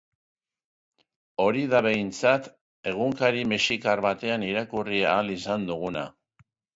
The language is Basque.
Hori da behintzat egunkari mexikar batean irakurri ahal izan duguna.